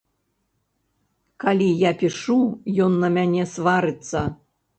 Калі я пішу, ён на мяне сварыцца.